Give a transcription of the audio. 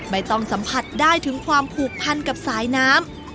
ต้องสัมผัสได้ถึงความผูกพันกับสายน้ำ